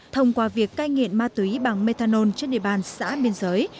thông qua việc cai nghiện ma túy bằng methanol trên địa bàn xã biên giới